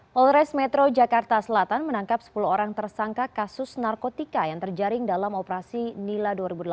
polres metro jakarta selatan menangkap sepuluh orang tersangka kasus narkotika yang terjaring dalam operasi nila dua ribu delapan belas